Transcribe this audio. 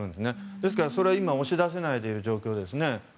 ですから、それは今押し出せないでいる状況ですね。